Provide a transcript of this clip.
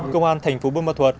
công an tp bùi mà thuật